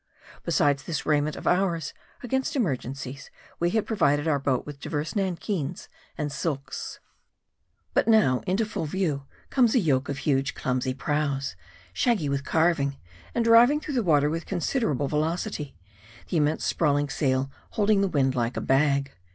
Besides this raiment of ours, against emergencies we had provided our boat with divers nankeens and silks. But now into full view comes a yoke of huge clumsy prows, shaggy with carving, and driving through the water with considerable velocity ; the immense sprawling sail holding the wind like a bag.